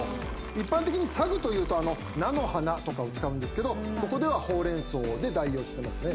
一般的にサグというと菜の花とかを使うんですけどここではほうれん草で代用してますね。